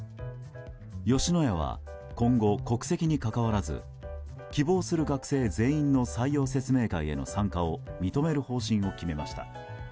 吉野家は今後国籍にかかわらず希望する学生全員の採用説明会への参加を認める方針を決めました。